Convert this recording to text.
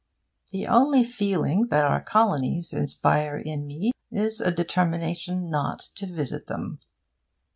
The only feeling that our Colonies inspire in me is a determination not to visit them.